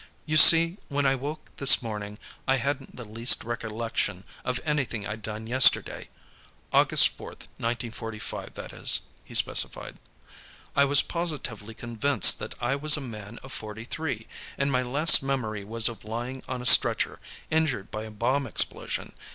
"You see, when I woke, this morning, I hadn't the least recollection of anything I'd done yesterday. August 4, 1945, that is," he specified. "I was positively convinced that I was a man of forty three, and my last memory was of lying on a stretcher, injured by a bomb explosion.